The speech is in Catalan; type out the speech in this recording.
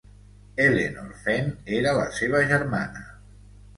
Ellenor Fenn era la seva germana.